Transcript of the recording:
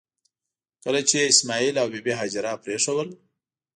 کله چې یې اسماعیل او بي بي هاجره پرېښودل.